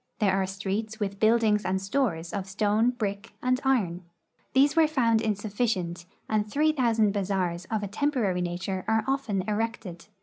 There are streets with buildings and stores of stone, brick, and iron. These were found insufficient, and three thousand bazaars of a temporary nature are often erected.